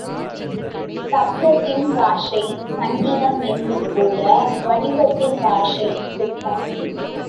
சப்தத்தின் பாஷை சங்கீதம் என்பது போல வடிவத்தின் பாஷை சிற்பம்.